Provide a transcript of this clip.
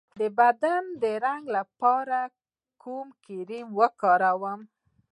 د بدن د رنګ لپاره کوم کریم وکاروم؟